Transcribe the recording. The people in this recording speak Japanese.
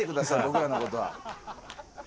僕らのことは。